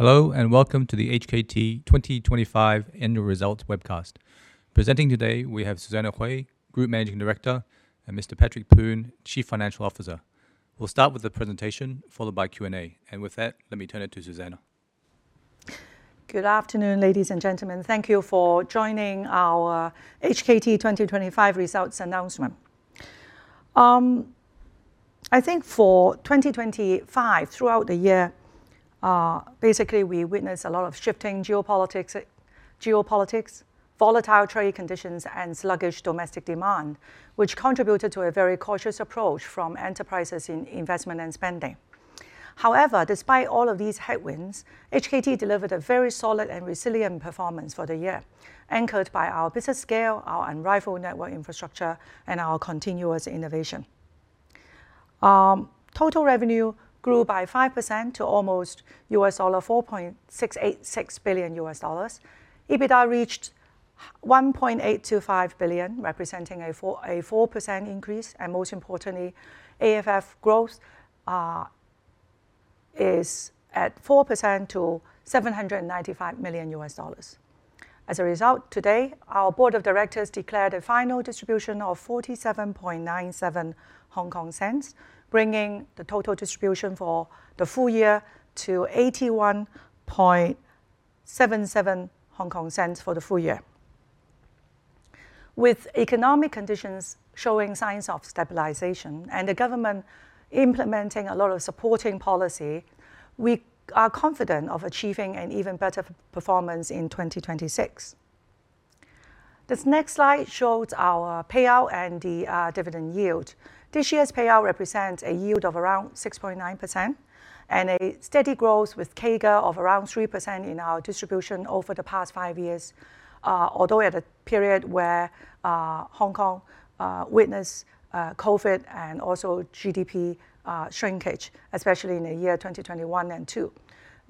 Hello, and welcome to the HKT 2025 annual results webcast. Presenting today, we have Susanna Hui, Group Managing Director, and Mr. Patrick Poon, Chief Financial Officer. We'll start with the presentation, followed by Q&A. With that, let me turn it to Susanna. Good afternoon, ladies and gentlemen. Thank you for joining our HKT 2025 results announcement. I think for 2025, throughout the year, basically, we witnessed a lot of shifting geopolitics, geopolitics, volatile trade conditions, and sluggish domestic demand, which contributed to a very cautious approach from enterprises in investment and spending. However, despite all of these headwinds, HKT delivered a very solid and resilient performance for the year, anchored by our business scale, our unrivaled network infrastructure, and our continuous innovation. Total revenue grew by 5% to almost $4.686 billion. EBITDA reached $1.825 billion, representing a four, a four percent increase, and most importantly, AFF growth is at 4% to $795 million. As a result, today, our board of directors declared a final distribution of 0.4797, bringing the total distribution for the full year to 0.8177 for the full year. With economic conditions showing signs of stabilization and the government implementing a lot of supporting policy, we are confident of achieving an even better performance in 2026. This next slide shows our payout and the dividend yield. This year's payout represents a yield of around 6.9% and a steady growth with CAGR of around 3% in our distribution over the past five years, although at a period where Hong Kong witnessed COVID and also GDP shrinkage, especially in the year 2021 and 2022.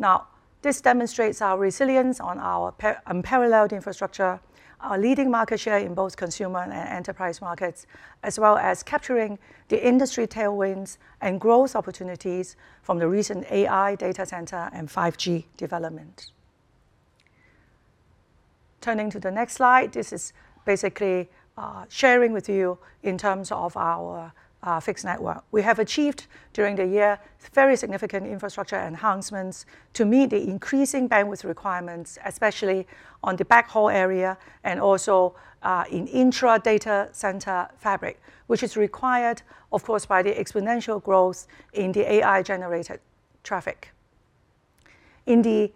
Now, this demonstrates our resilience on our unparalleled infrastructure, our leading market share in both consumer and enterprise markets, as well as capturing the industry tailwinds and growth opportunities from the recent AI data center and 5G development. Turning to the next slide, this is basically sharing with you in terms of our fixed network. We have achieved, during the year, very significant infrastructure enhancements to meet the increasing bandwidth requirements, especially on the backhaul area and also in intra data center fabric, which is required, of course, by the exponential growth in the AI-generated traffic. In the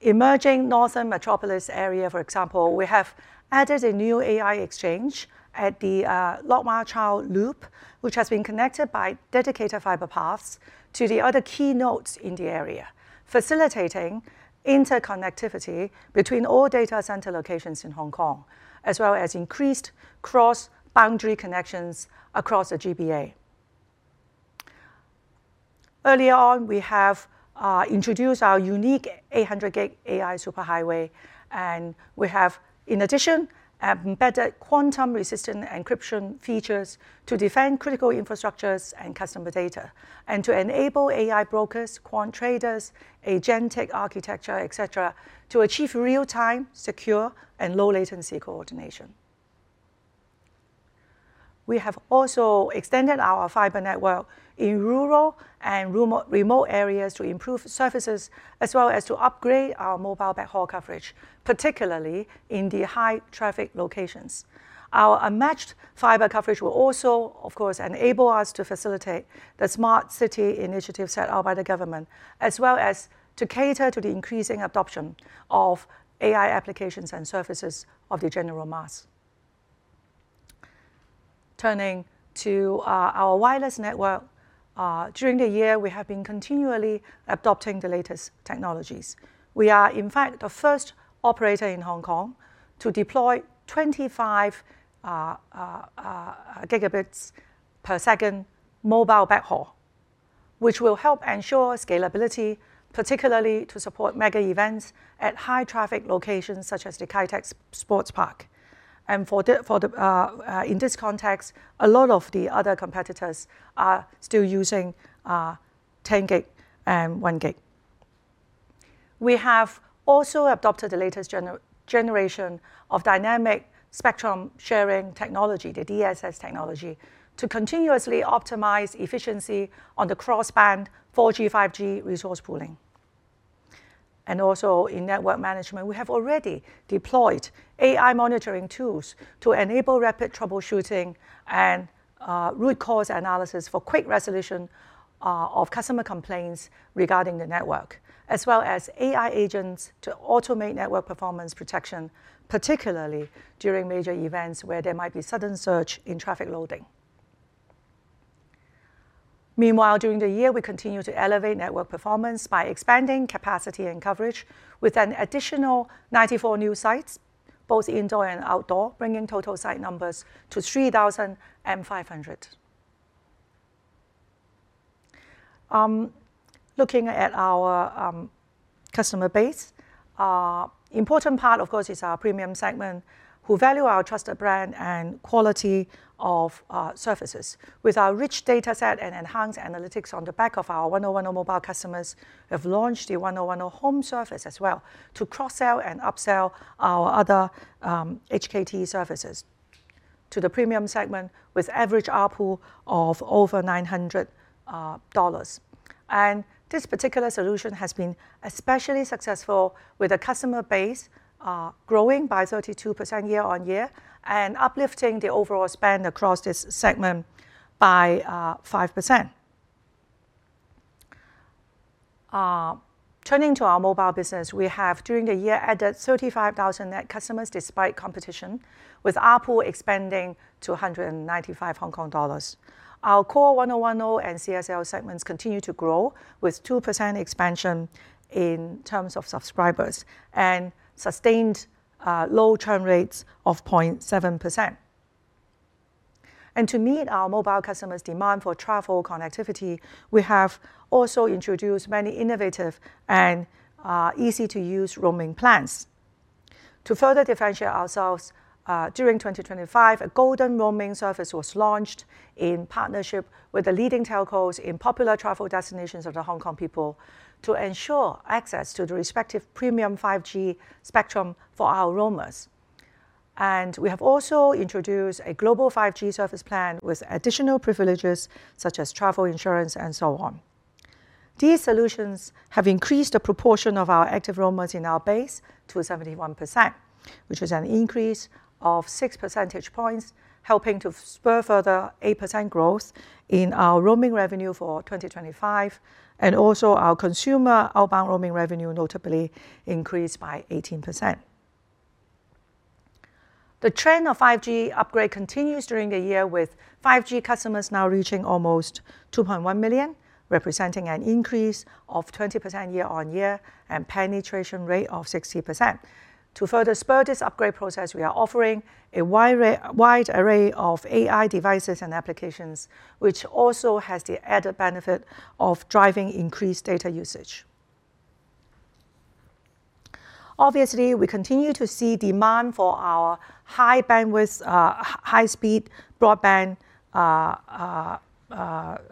emerging Northern Metropolis area, for example, we have added a new AI exchange at the Lok Ma Chau Loop, which has been connected by dedicated fiber paths to the other key nodes in the area, facilitating interconnectivity between all data center locations in Hong Kong, as well as increased cross-boundary connections across the GBA. Early on, we have introduced our unique 800G AI Superhighway, and we have, in addition, embedded quantum-resistant encryption features to defend critical infrastructures and customer data, and to enable AI brokers, quant traders, agentic architecture, et cetera, to achieve real-time, secure, and low-latency coordination. We have also extended our fiber network in rural and remote areas to improve services, as well as to upgrade our mobile backhaul coverage, particularly in the high-traffic locations. Our unmatched fiber coverage will also, of course, enable us to facilitate the smart city initiative set out by the government, as well as to cater to the increasing adoption of AI applications and services of the general mass. Turning to our wireless network, during the year, we have been continually adopting the latest technologies. We are, in fact, the first operator in Hong Kong to deploy 25 Gbps mobile backhaul, which will help ensure scalability, particularly to support mega events at high-traffic locations such as the Kai Tak Sports Park. And in this context, a lot of the other competitors are still using 10 gig and 1 gig. We have also adopted the latest generation of dynamic spectrum sharing technology, the DSS technology, to continuously optimize efficiency on the cross-band 4G/5G resource pooling. Also, in network management, we have already deployed AI monitoring tools to enable rapid troubleshooting and root cause analysis for quick resolution of customer complaints regarding the network, as well as AI agents to automate network performance protection, particularly during major events where there might be sudden surge in traffic loading. Meanwhile, during the year, we continued to elevate network performance by expanding capacity and coverage with an additional 94 new sites, both indoor and outdoor, bringing total site numbers to 3,500. Looking at our customer base, important part, of course, is our premium segment, who value our trusted brand and quality of services. With our rich data set and enhanced analytics on the back of our 1O1O mobile customers, we have launched the 1O1O home service as well, to cross-sell and upsell our other HKT services to the premium segment, with average ARPU of over 900 dollars. And this particular solution has been especially successful with the customer base growing by 32% year-on-year and uplifting the overall spend across this segment by 5%. Turning to our mobile business, we have, during the year, added 35,000 net customers despite competition, with ARPU expanding to 195 Hong Kong dollars. Our core 1O1O and csl segments continue to grow, with 2% expansion in terms of subscribers and sustained low churn rates of 0.7%. To meet our mobile customers' demand for travel connectivity, we have also introduced many innovative and easy-to-use roaming plans. To further differentiate ourselves, during 2025, a golden roaming service was launched in partnership with the leading telcos in popular travel destinations of the Hong Kong people to ensure access to the respective premium 5G spectrum for our roamers. We have also introduced a global 5G service plan with additional privileges such as travel insurance and so on. These solutions have increased the proportion of our active roamers in our base to 71%, which is an increase of 6 percentage points, helping to spur further 8% growth in our roaming revenue for 2025, and also our consumer outbound roaming revenue notably increased by 18%. The trend of 5G upgrade continues during the year, with 5G customers now reaching almost 2.1 million, representing an increase of 20% year-on-year and penetration rate of 60%. To further spur this upgrade process, we are offering a wide array of AI devices and applications, which also has the added benefit of driving increased data usage. Obviously, we continue to see demand for our high bandwidth, high speed broadband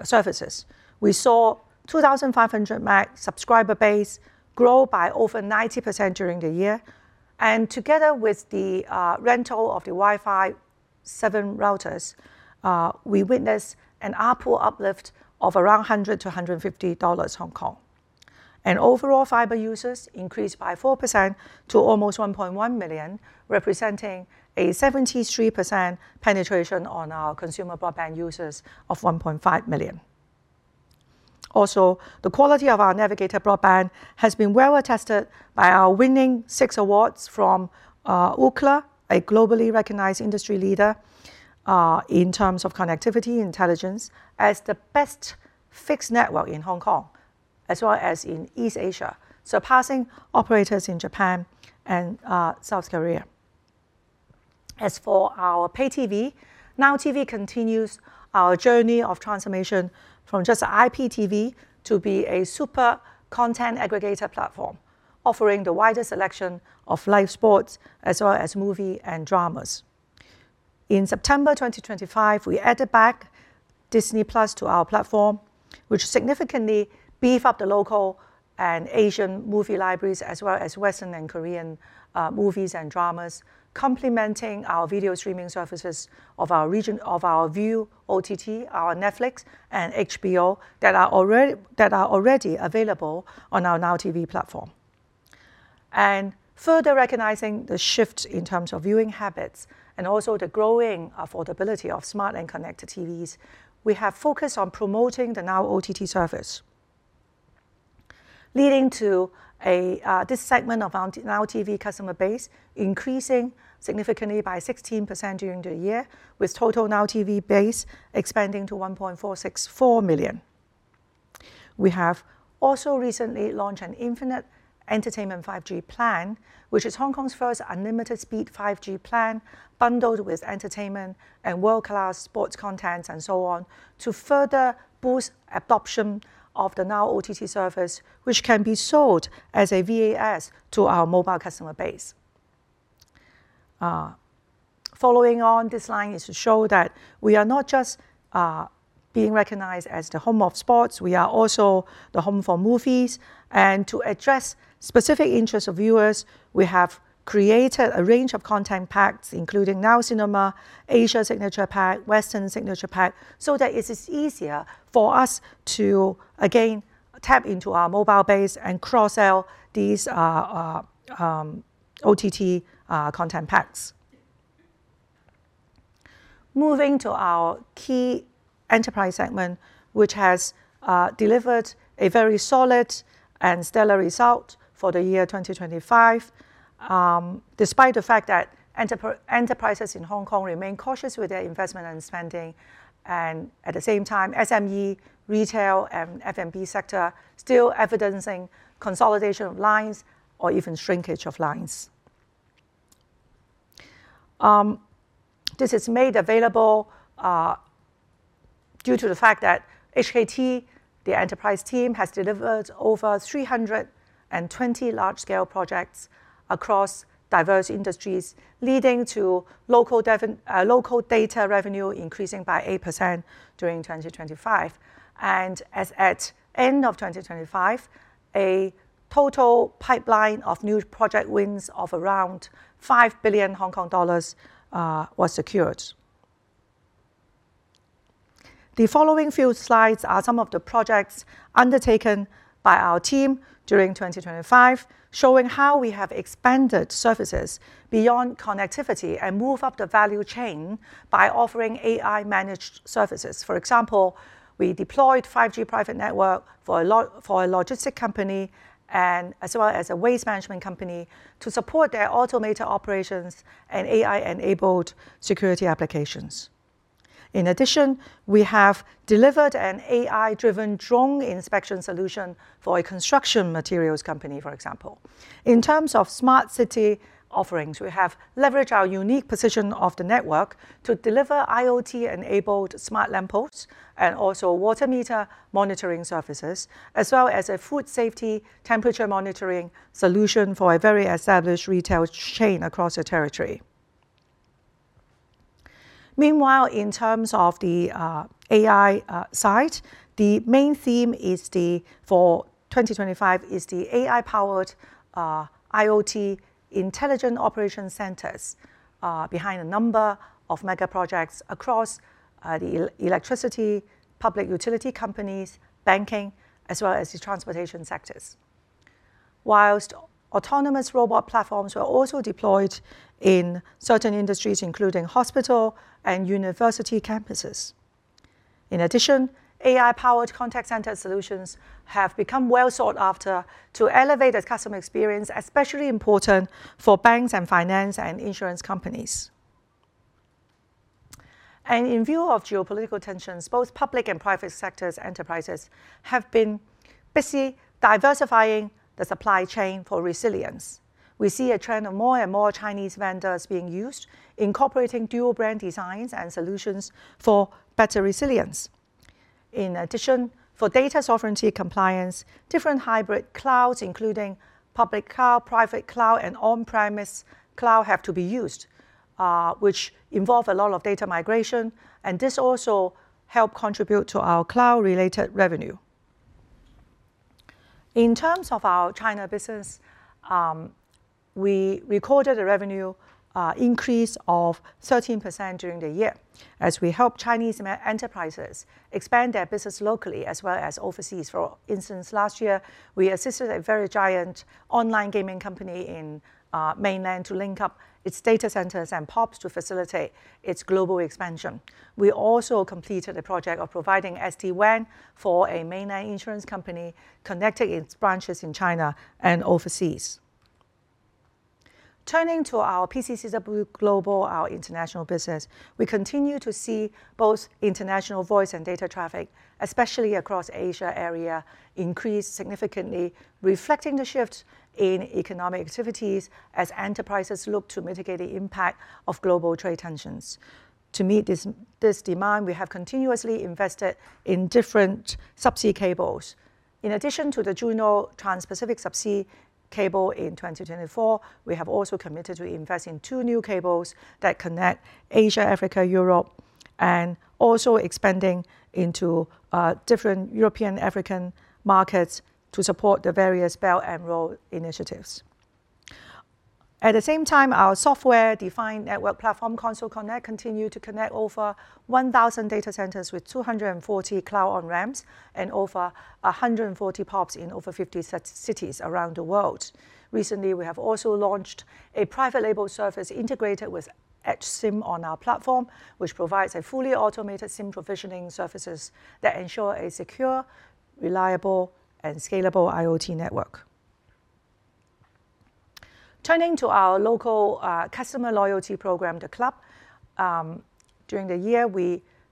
services. We saw 2,500 Mbps subscriber base grow by over 90% during the year, and together with the rental of the Wi-Fi 7 routers, we witnessed an ARPU uplift of around 100-150 dollars. Overall fiber users increased by 4% to almost 1.1 million, representing a 73% penetration on our consumer broadband users of 1.5 million. Also, the quality of our Netvigator broadband has been well-attested by our winning 6 awards from Ookla, a globally recognized industry leader in terms of connectivity intelligence, as the best fixed network in Hong Kong, as well as in East Asia, surpassing operators in Japan and South Korea. As for our pay TV, Now TV continues our journey of transformation from just an IPTV to be a super content aggregator platform, offering the widest selection of live sports as well as movie and dramas. In September 2025, we added back Disney+ to our platform, which significantly beef up the local and Asian movie libraries, as well as Western and Korean movies and dramas, complementing our video streaming services of our region, of our Viu OTT, our Netflix, and HBO that are already available on our Now TV platform. Further recognizing the shift in terms of viewing habits and also the growing affordability of smart and connected TVs, we have focused on promoting the Now OTT service, leading to this segment of our Now TV customer base increasing significantly by 16% during the year, with total Now TV base expanding to 1.464 million. We have also recently launched an infinite entertainment 5G plan, which is Hong Kong's first unlimited speed 5G plan, bundled with entertainment and world-class sports content and so on, to further boost adoption of the Now OTT service, which can be sold as a VAS to our mobile customer base. Following on this line is to show that we are not just being recognized as the home of sports, we are also the home for movies. To address specific interests of viewers, we have created a range of content packs, including Now Cinema, Asia Signature Pack, Western Signature Pack, so that it is easier for us to, again, tap into our mobile base and cross-sell these OTT content packs. Moving to our key enterprise segment, which has delivered a very solid and stellar result for the year 2025, despite the fact that enterprises in Hong Kong remain cautious with their investment and spending, and at the same time, SME, retail, and FMB sector still evidencing consolidation of lines or even shrinkage of lines. This is made available due to the fact that HKT, the enterprise team, has delivered over 320 large-scale projects across diverse industries, leading to local data revenue increasing by 8% during 2025. As at end of 2025, a total pipeline of new project wins of around 5 billion Hong Kong dollars was secured. The following few slides are some of the projects undertaken by our team during 2025, showing how we have expanded services beyond connectivity and move up the value chain by offering AI-managed services. For example, we deployed 5G private network for a logistic company, and as well as a waste management company, to support their automated operations and AI-enabled security applications. In addition, we have delivered an AI-driven drone inspection solution for a construction materials company, for example. In terms of smart city offerings, we have leveraged our unique position of the network to deliver IoT-enabled smart lampposts and also water meter monitoring services, as well as a food safety temperature monitoring solution for a very established retail chain across the territory. Meanwhile, in terms of the AI side, the main theme for 2025 is the AI-powered IoT intelligent operation centers behind a number of mega projects across the electricity, public utility companies, banking, as well as the transportation sectors. While autonomous robot platforms were also deployed in certain industries, including hospital and university campuses. In addition, AI-powered contact center solutions have become well sought after to elevate the customer experience, especially important for banks and finance and insurance companies. In view of geopolitical tensions, both public and private sectors enterprises have been busy diversifying the supply chain for resilience. We see a trend of more and more Chinese vendors being used, incorporating dual-brand designs and solutions for better resilience. In addition, for data sovereignty compliance, different hybrid clouds, including public cloud, private cloud, and on-premise cloud, have to be used, which involve a lot of data migration, and this also help contribute to our cloud-related revenue. In terms of our China business, we recorded a revenue increase of 13% during the year, as we help Chinese enterprises expand their business locally as well as overseas. For instance, last year, we assisted a very giant online gaming company in mainland to link up its data centers and POPs to facilitate its global expansion. We also completed a project of providing SD-WAN for a mainland insurance company, connecting its branches in China and overseas. Turning to our PCCW Global, our international business, we continue to see both international voice and data traffic, especially across Asia area, increase significantly, reflecting the shift in economic activities as enterprises look to mitigate the impact of global trade tensions. To meet this demand, we have continuously invested in different subsea cables. In addition to the Juno trans-Pacific subsea cable in 2024, we have also committed to invest in two new cables that connect Asia, Africa, Europe, and also expanding into different European, African markets to support the various Belt and Road initiatives. At the same time, our software-defined network platform, Console Connect, continue to connect over 1,000 data centers with 240 cloud on-ramps and over 140 POPs in over 50 such cities around the world. Recently, we have also launched a private label service integrated with Edge SIM on our platform, which provides a fully automated SIM provisioning services that ensure a secure, reliable, and scalable IoT network. Turning to our local customer loyalty program, The Club, during the year,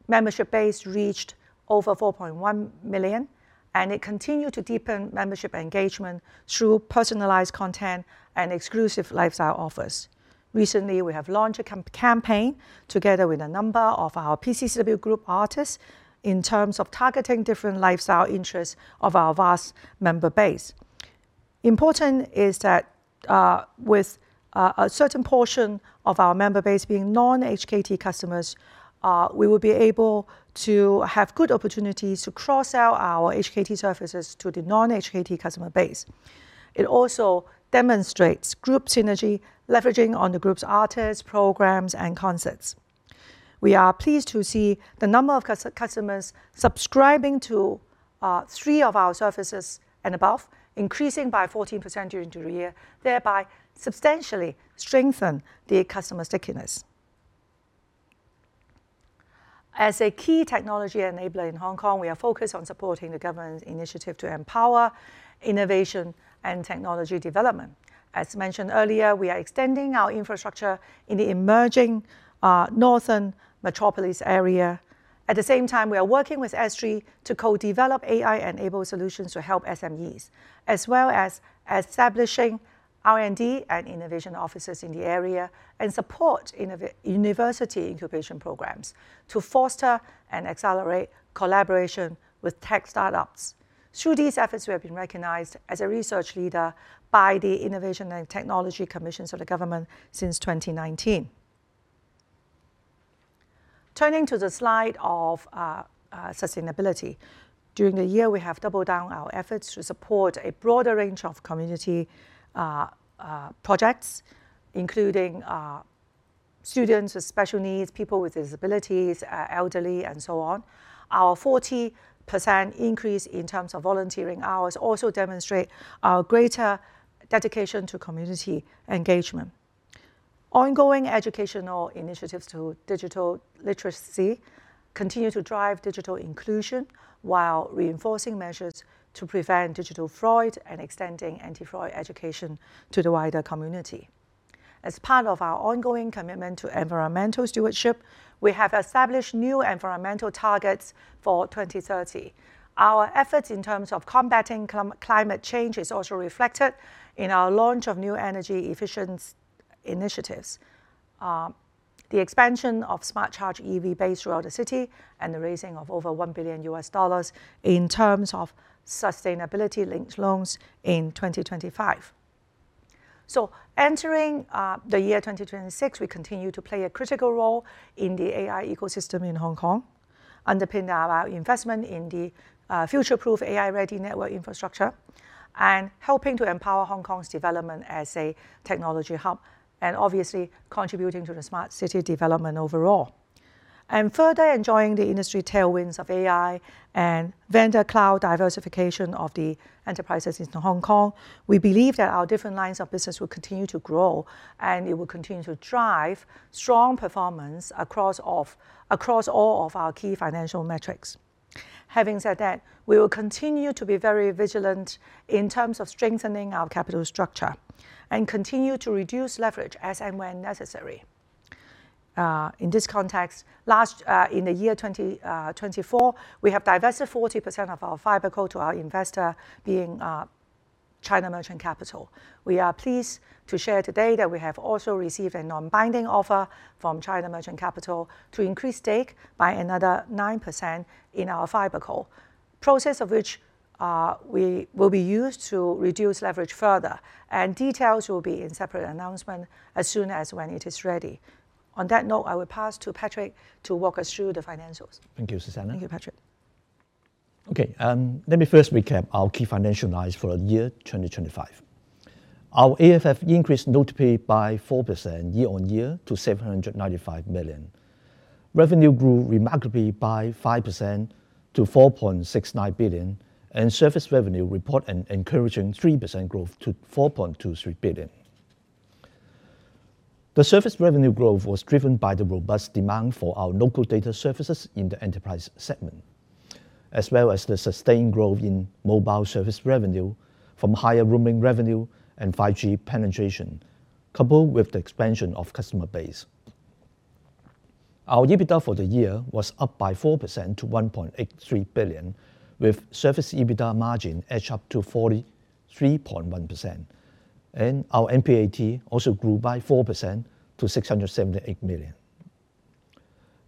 membership base reached over 4.1 million, and it continued to deepen membership engagement through personalized content and exclusive lifestyle offers. Recently, we have launched a campaign together with a number of our PCCW Group artists in terms of targeting different lifestyle interests of our vast member base. Important is that, with a certain portion of our member base being non-HKT customers, we will be able to have good opportunities to cross-sell our HKT services to the non-HKT customer base. It also demonstrates group synergy, leveraging on the group's artists, programs, and concepts. We are pleased to see the number of customers subscribing to three of our services and above, increasing by 14% during the year, thereby substantially strengthen the customer stickiness. As a key technology enabler in Hong Kong, we are focused on supporting the government's initiative to empower innovation and technology development. As mentioned earlier, we are extending our infrastructure in the emerging Northern Metropolis area. At the same time, we are working with S3 to co-develop AI-enabled solutions to help SMEs, as well as establishing R&D and innovation offices in the area, and support university incubation programs to foster and accelerate collaboration with tech startups. Through these efforts, we have been recognized as a research leader by the Innovation and Technology Commissions of the government since 2019. Turning to the slide of sustainability. During the year, we have doubled down our efforts to support a broader range of community projects, including students with special needs, people with disabilities, elderly, and so on. Our 40% increase in terms of volunteering hours also demonstrate our greater dedication to community engagement. Ongoing educational initiatives to digital literacy continue to drive digital inclusion while reinforcing measures to prevent digital fraud and extending anti-fraud education to the wider community. As part of our ongoing commitment to environmental stewardship, we have established new environmental targets for 2030. Our efforts in terms of combating climate change is also reflected in our launch of new energy efficient initiatives, the expansion of smart charge EV base throughout the city, and the raising of over $1 billion in terms of sustainability-linked loans in 2025. Entering the year 2026, we continue to play a critical role in the AI ecosystem in Hong Kong, underpinned by our investment in the future-proof AI-ready network infrastructure, and helping to empower Hong Kong's development as a technology hub, and obviously contributing to the smart city development overall. Further enjoying the industry tailwinds of AI and vendor cloud diversification of the enterprises into Hong Kong, we believe that our different lines of business will continue to grow, and it will continue to drive strong performance across all of our key financial metrics. Having said that, we will continue to be very vigilant in terms of strengthening our capital structure and continue to reduce leverage as and when necessary. In this context, last in the year 2024, we have divested 40% of our fiber co to our investor, being China Merchants Capital. We are pleased to share today that we have also received a non-binding offer from China Merchants Capital to increase stake by another 9% in our fiber co. Proceeds of which we will use to reduce leverage further, and details will be in separate announcement as soon as when it is ready. On that note, I will pass to Patrick to walk us through the financials. Thank you, Susanna. Thank you, Patrick. Okay, let me first recap our key financial lines for the year 2025. Our AFF increased notably by 4% year-on-year to 795 million. Revenue grew remarkably by 5% to 4.69 billion, and service revenue reported an encouraging 3% growth to 4.23 billion. The service revenue growth was driven by the robust demand for our local data services in the enterprise segment, as well as the sustained growth in mobile service revenue from higher roaming revenue and 5G penetration, coupled with the expansion of customer base. Our EBITDA for the year was up by 4% to 1.83 billion, with service EBITDA margin edged up to 43.1%, and our NPAT also grew by 4% to 678 million.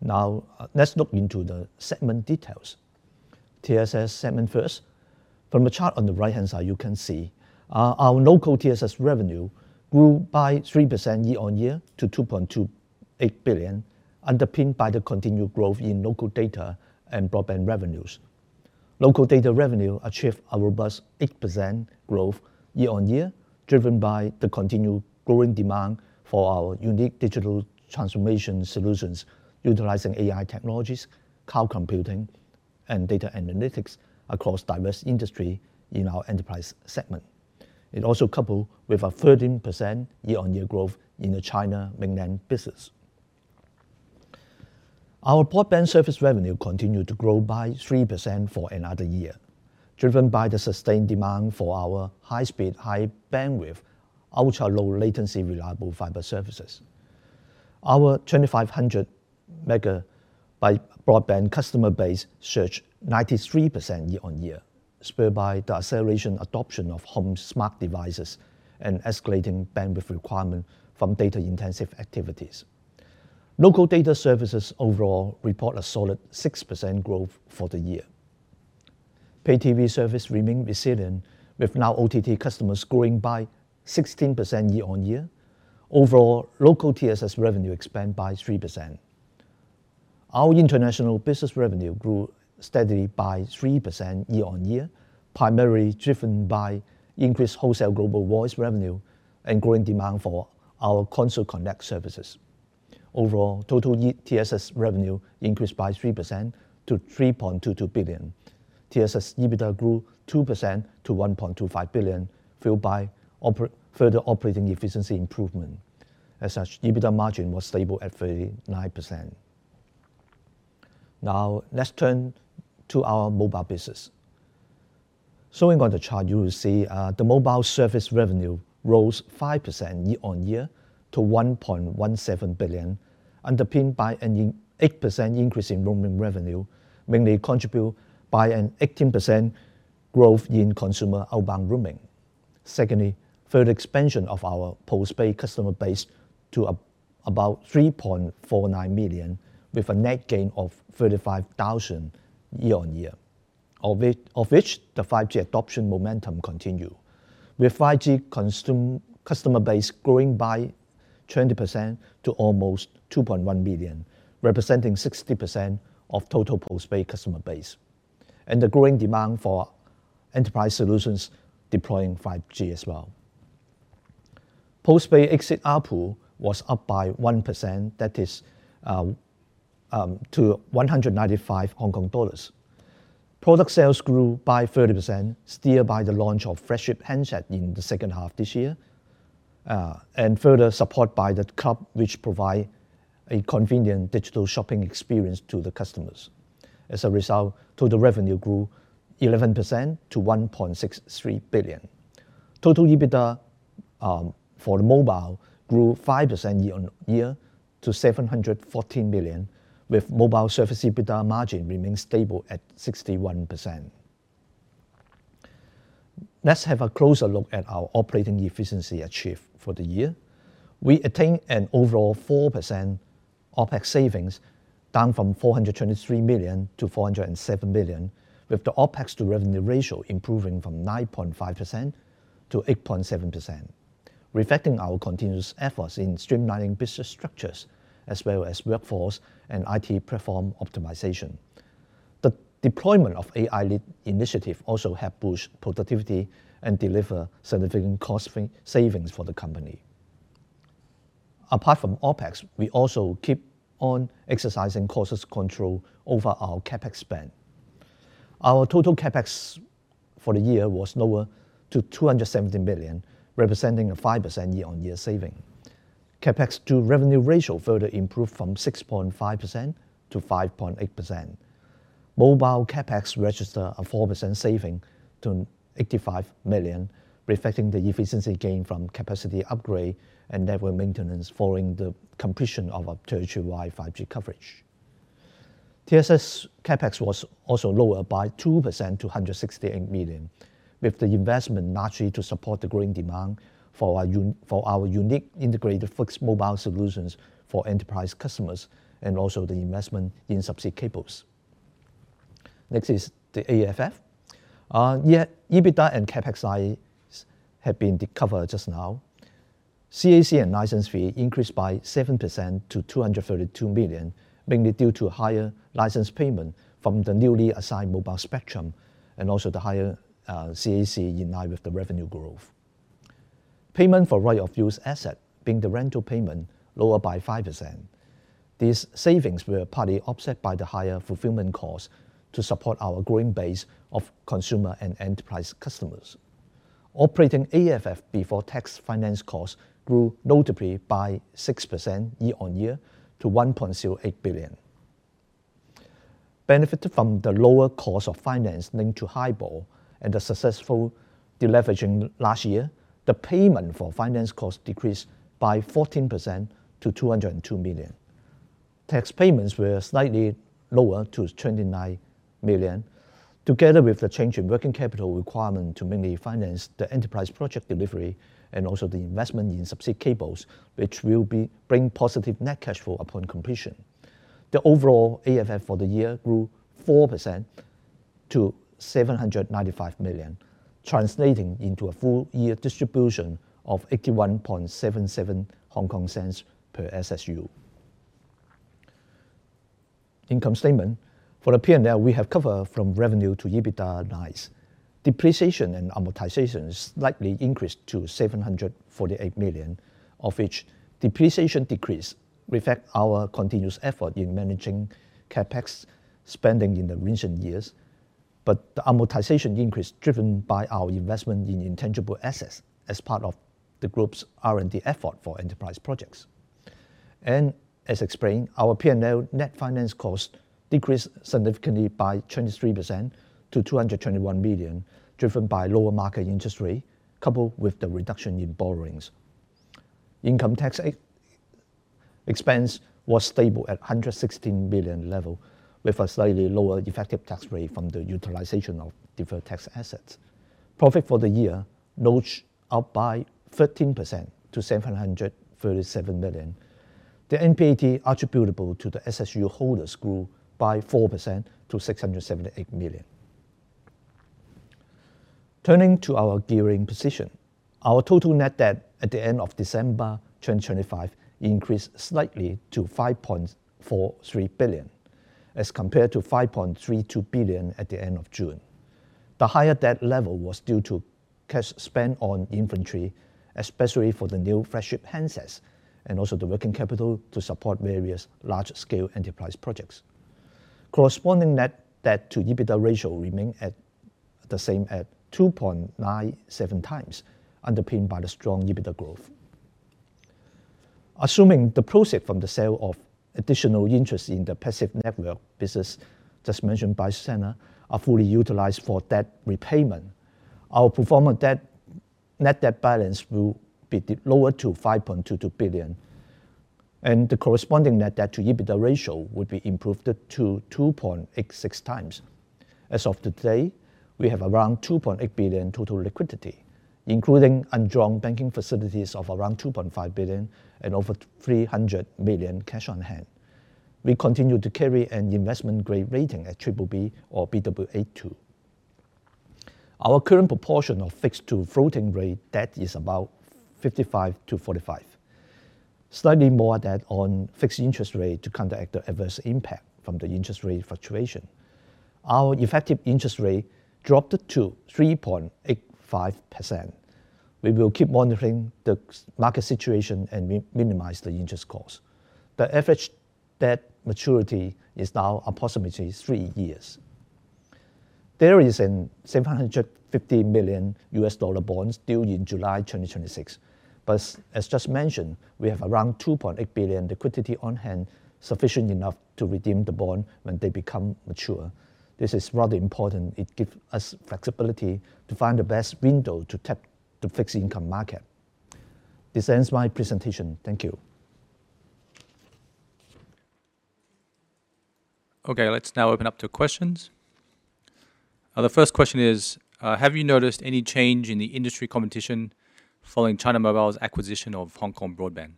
Now, let's look into the segment details. TSS segment first. From the chart on the right-hand side, you can see our local TSS revenue grew by 3% year-on-year to 2.28 billion, underpinned by the continued growth in local data and broadband revenues. Local data revenue achieved a robust 8% growth year-on-year, driven by the continued growing demand for our unique digital transformation solutions utilizing AI technologies, cloud computing, and data analytics across diverse industry in our enterprise segment. It also coupled with a 13% year-on-year growth in the China mainland business. Our broadband service revenue continued to grow by 3% for another year, driven by the sustained demand for our high-speed, high bandwidth, ultra-low latency, reliable fiber services. Our 2,500 Mbps broadband customer base surged 93% year-on-year, spurred by the acceleration adoption of home smart devices and escalating bandwidth requirement from data-intensive activities. Local data services overall report a solid 6% growth for the year. Pay TV service remain resilient, with Now OTT customers growing by 16% year-on-year. Overall, local TSS revenue expand by 3%. Our international business revenue grew steadily by 3% year-on-year, primarily driven by increased wholesale global voice revenue and growing demand for our Console Connect services. Overall, total TSS revenue increased by 3% to 3.22 billion. TSS EBITDA grew 2% to 1.25 billion, fueled by further operating efficiency improvement. As such, EBITDA margin was stable at 39%. Now, let's turn to our mobile business. So going on the chart, you will see, the mobile service revenue rose 5% year-on-year to 1.17 billion, underpinned by an 8% increase in roaming revenue, mainly contributed by an 18% growth in consumer outbound roaming. Secondly, further expansion of our postpaid customer base to about 3.49 million, with a net gain of 35,000 year-on-year. Of which, the 5G adoption momentum continue, with 5G customer base growing by 20% to almost 2.1 billion, representing 60% of total postpaid customer base, and the growing demand for enterprise solutions deploying 5G as well. Postpaid exit ARPU was up by 1%, that is, to 195 Hong Kong dollars. Product sales grew by 30%, steered by the launch of flagship handset in the second half this year, and further support by The Club, which provide a convenient digital shopping experience to the customers. As a result, total revenue grew 11% to 1.63 billion. Total EBITDA for the mobile grew 5% year-on-year to 714 million, with mobile service EBITDA margin remaining stable at 61%. Let's have a closer look at our operating efficiency achieved for the year. We attained an overall 4% OpEx savings, down from 423 million to 407 million, with the OpEx to revenue ratio improving from 9.5% to 8.7%, reflecting our continuous efforts in streamlining business structures as well as workforce and IT platform optimization. The deployment of AI-led initiative also helped boost productivity and deliver significant cost savings for the company. Apart from OpEx, we also keep on exercising cautious control over our CapEx spend. Our total CapEx for the year was lower to 270 million, representing a 5% year-on-year saving. CapEx to revenue ratio further improved from 6.5% to 5.8%. Mobile CapEx registered a 4% saving to 85 million, reflecting the efficiency gain from capacity upgrade and network maintenance following the completion of our territory-wide 5G coverage. TSS CapEx was also lower by 2% to 168 million, with the investment largely to support the growing demand for our for our unique integrated fixed mobile solutions for enterprise customers and also the investment in subsea cables. Next is the AFF. Yeah, EBITDA and CapEx I have been covered just now. CAC and license fee increased by 7% to 232 million, mainly due to higher license payment from the newly assigned mobile spectrum and also the higher CAC in line with the revenue growth. Payment for right of use asset, being the rental payment, lower by 5%. These savings were partly offset by the higher fulfillment costs to support our growing base of consumer and enterprise customers. Operating AFF before tax finance costs grew notably by 6% year-on-year to 1.08 billion. Benefited from the lower cost of finance linked to HIBOR and the successful deleveraging last year, the payment for finance costs decreased by 14% to 202 million. Tax payments were slightly lower to 29 million, together with the change in working capital requirement to mainly finance the enterprise project delivery and also the investment in subsea cables, which will bring positive net cash flow upon completion. The overall AFF for the year grew 4% to 795 million, translating into a full year distribution of 0.8177 per SSU. Income statement. For the P&L, we have covered from revenue to EBITDA lines. Depreciation and amortization slightly increased to 748 million, of which depreciation decreased, reflecting our continuous effort in managing CapEx spending in the recent years. But the amortization increase, driven by our investment in intangible assets as part of the group's R&D effort for enterprise projects. As explained, our P&L net finance costs decreased significantly by 23% to 221 million, driven by lower market interest rate, coupled with the reduction in borrowings. Income tax expense was stable at 116 billion level, with a slightly lower effective tax rate from the utilization of deferred tax assets. Profit for the year notched up by 13% to 737 million. The NPAT attributable to the SSU holders grew by 4% to 678 million. Turning to our gearing position, our total net debt at the end of December 2025 increased slightly to 5.43 billion, as compared to 5.32 billion at the end of June. The higher debt level was due to cash spent on inventory, especially for the new flagship handsets and also the working capital to support various large-scale enterprise projects. Corresponding net debt to EBITDA ratio remained at the same at 2.97 times, underpinned by the strong EBITDA growth.... assuming the proceeds from the sale of additional interest in the passive network business just mentioned by Anna are fully utilized for debt repayment, our performance debt, net debt balance will be lower to 5.22 billion. And the corresponding net debt to EBITDA ratio would be improved to 2.66 times. As of today, we have around 2.8 billion total liquidity, including undrawn banking facilities of around 2.5 billion and over 300 million cash on hand. We continue to carry an investment-grade rating at BBB or Baa2. Our current proportion of fixed to floating rate debt is about 55-45. Slightly more debt on fixed interest rate to counteract the adverse impact from the interest rate fluctuation. Our effective interest rate dropped to 3.85%. We will keep monitoring the market situation and minimize the interest cost. The average debt maturity is now approximately 3 years. There is a $750 million US dollar bonds due in July 2026, but as just mentioned, we have around $2.8 billion liquidity on hand, sufficient enough to redeem the bond when they become mature. This is rather important. It give us flexibility to find the best window to tap the fixed income market. This ends my presentation. Thank you. Okay, let's now open up to questions. The first question is: Have you noticed any change in the industry competition following China Mobile's acquisition of Hong Kong Broadband?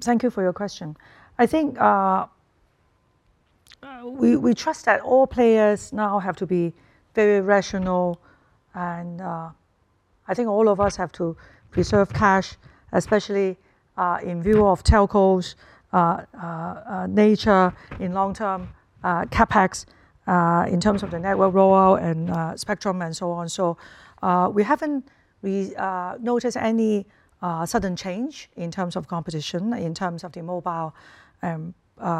Thank you for your question. I think we trust that all players now have to be very rational, and I think all of us have to preserve cash, especially in view of telcos' nature in long-term CapEx in terms of the network rollout and spectrum, and so on. So we haven't noticed any sudden change in terms of competition, in terms of the mobile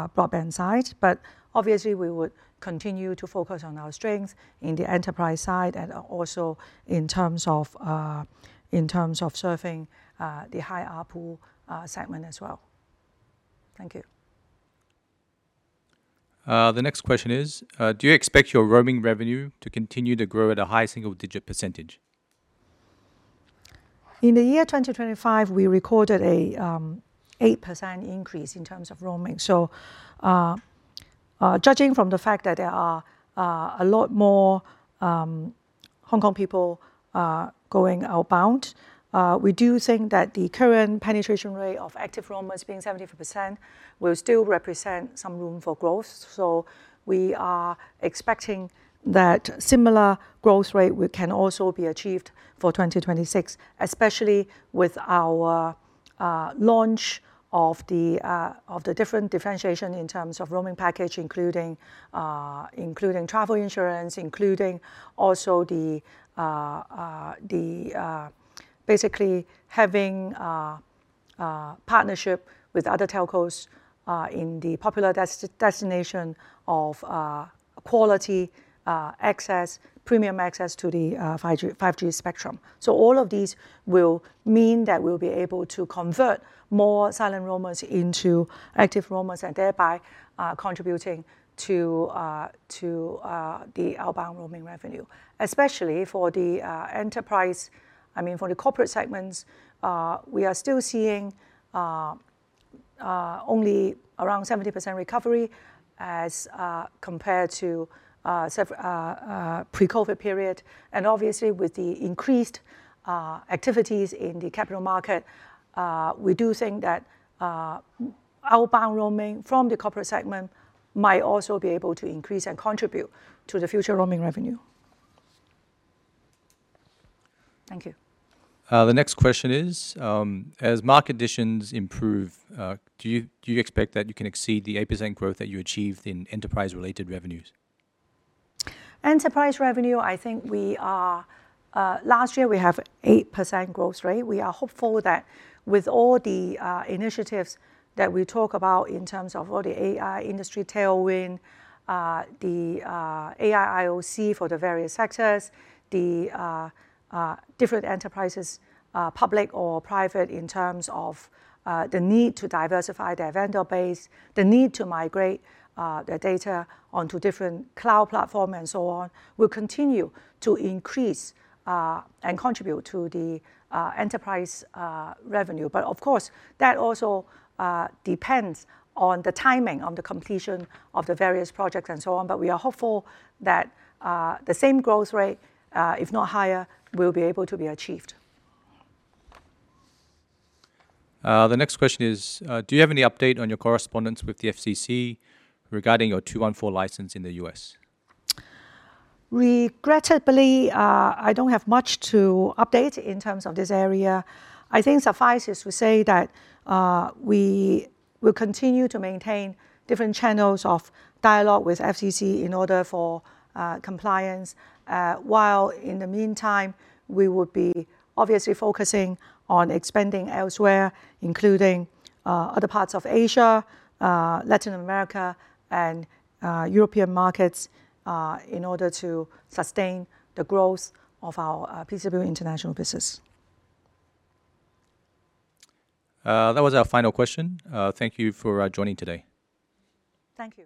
broadband side. But obviously, we would continue to focus on our strength in the enterprise side and also in terms of serving the high ARPU segment as well. Thank you. The next question is: Do you expect your roaming revenue to continue to grow at a high single-digit %? In the year 2025, we recorded an 8% increase in terms of roaming. Judging from the fact that there are a lot more Hong Kong people going outbound, we do think that the current penetration rate of active roamers being 75% will still represent some room for growth. We are expecting that similar growth rate can also be achieved for 2026, especially with our launch of the different differentiation in terms of roaming package, including travel insurance, including also the... Basically, having partnership with other telcos in the popular destination of quality access, premium access to the 5G spectrum. So all of these will mean that we'll be able to convert more silent roamers into active roamers, and thereby contributing to the outbound roaming revenue. Especially for the enterprise, I mean, for the corporate segments, we are still seeing only around 70% recovery as compared to the pre-COVID period. And obviously, with the increased activities in the capital market, we do think that outbound roaming from the corporate segment might also be able to increase and contribute to the future roaming revenue. Thank you. The next question is: As market conditions improve, do you expect that you can exceed the 8% growth that you achieved in enterprise-related revenues? Enterprise revenue, I think we are, last year, we have 8% growth rate. We are hopeful that with all the initiatives that we talk about in terms of all the AI industry tailwind, the AI IOC for the various sectors, the different enterprises, public or private, in terms of the need to diversify their vendor base, the need to migrate their data onto different cloud platform and so on, will continue to increase and contribute to the enterprise revenue. But of course, that also depends on the timing, on the completion of the various projects and so on. But we are hopeful that the same growth rate, if not higher, will be able to be achieved. The next question is: Do you have any update on your correspondence with the FCC regarding your 2.4 license in the US? Regrettably, I don't have much to update in terms of this area. I think suffices to say that we will continue to maintain different channels of dialogue with FCC in order for compliance, while in the meantime, we would be obviously focusing on expanding elsewhere, including other parts of Asia, Latin America, and European markets, in order to sustain the growth of our PCCW International business. That was our final question. Thank you for joining today. Thank you.